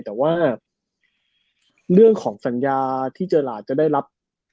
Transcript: แต่ว่าเรื่องของสัญญาที่เจอหลานจะได้รับ